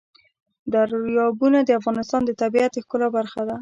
دریابونه د افغانستان د طبیعت د ښکلا برخه ده.